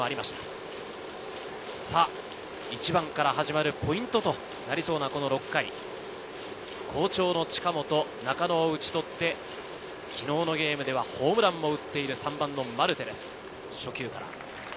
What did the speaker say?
１番から始まるポイントとなりそうな６回、好調の近本、中野を打ち取って、昨日のゲームではホームランを打っている３番マルテです。